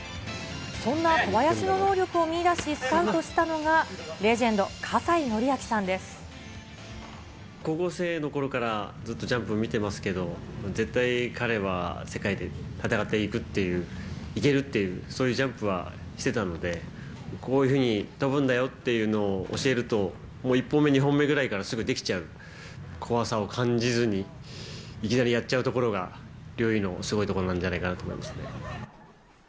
そんな小林の能力を見いだしスカウトしたのが、レジェンド、高校生のころからずっとジャンプを見てますけど、絶対彼は世界で戦っていくっていう、いけるっていう、そういうジャンプをしてたので、こういうふうに飛ぶんだよっていうのを教えると、もう１本目、２本目ぐらいからすぐできちゃう、怖さを感じずにいきなりやっちゃうところが、陵侑のすごいところなんじゃないかなと思いますね。